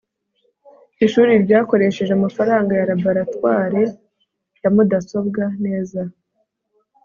ishuri ryakoresheje amafaranga ya laboratoire ya mudasobwa neza